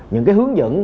những cái hướng dẫn